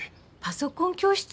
パソコン教室？